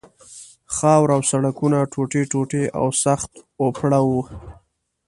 خاوره او سړکونه ټوټې ټوټې او سخت اوپړه وو.